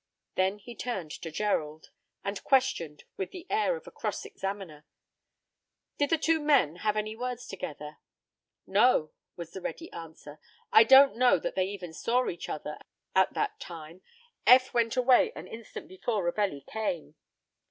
Then he turned to Gerald, and questioned with the air of a cross examiner: "Did the two men have any words together?" "No," was the ready answer; "I don't know that they even saw each other at that time. Eph went away an instant before Ravelli came."